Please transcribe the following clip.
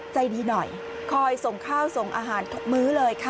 ใจดีหน่อยคอยส่งข้าวส่งอาหารทุกมื้อเลยค่ะ